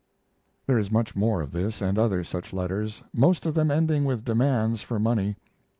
There is much more of this, and other such letters, most of them ending with demands for money.